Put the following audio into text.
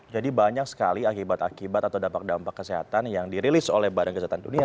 banyak sekali akibat akibat atau dampak dampak kesehatan yang dirilis oleh badan kesehatan dunia